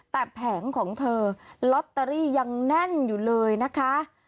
แต่แผงของเธอลอตเตอรี่ยังแน่นอยู่เลยนะคะ